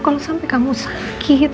kalau sampai kamu sakit